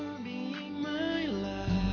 tapi dia masih yang terkerja